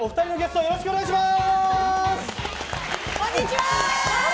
よろしくお願いします。